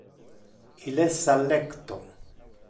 Il es a lecto.